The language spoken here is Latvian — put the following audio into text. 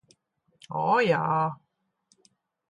O, jā.